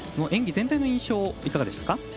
演技全体の印象はいかがですか。